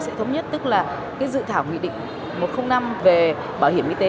sẽ thống nhất tức là dự thảo nghị định một trăm linh năm về bảo hiểm y tế